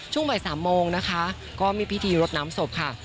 ช่วงบ่าย๓โมงนะคะก็มีพิธีรดน้ำศพค่ะ